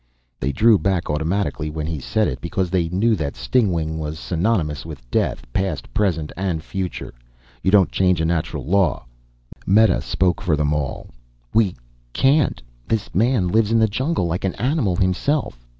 They drew back automatically when he said it. Because they knew that stingwing was synonymous with death. Past, present and future. You don't change a natural law. Meta spoke for all of them. "We ... can't. This man lives in the jungle, like an animal himself.